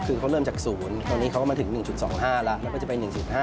คือเขาเริ่มจาก๐ตอนนี้เขาก็มาถึง๑๒๕แล้วแล้วก็จะไป๑๕